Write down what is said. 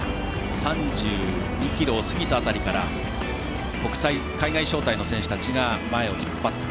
３２ｋｍを過ぎた辺りから海外招待の選手たちが前を引っ張って。